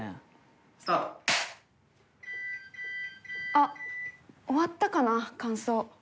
あっ終わったかな乾燥。